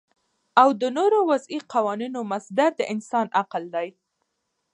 او د نورو وضعی قوانینو مصدر د انسان عقل دی